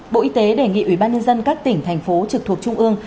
bộ y tế đề nghị ủy ban nhân dân các tỉnh thành phố trực thuộc trung ương